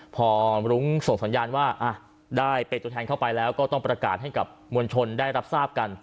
พอรุ้งส่งสัญญาณว่าได้เป็นตัวแทนเข้าไปแล้วก็ต้องประกาศให้กับมวลชนได้รับทราบกัน